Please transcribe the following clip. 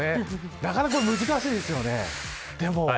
なかなか難しいですよね。